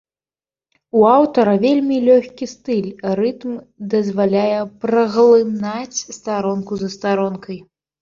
У аўтара вельмі лёгкі стыль, рытм дазваляе праглынаць старонку за старонкай.